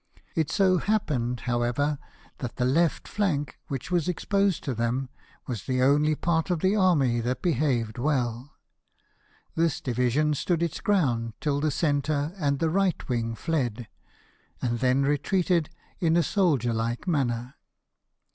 It so happened, however, that the left flank, which was exposed to them, was the only part of the army that behaved well ; this division stood its ground till the centre and the right wing fled, and then retreated in a soldier like manner.